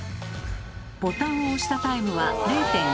ボタンを押したタイムは０．４秒差。